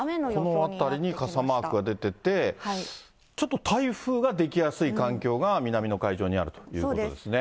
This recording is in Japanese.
このあたりに傘マークが出てて、ちょっと台風が出来やすい環境が南の海上にあるということですね。